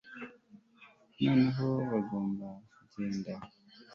noneho bagomba kugenda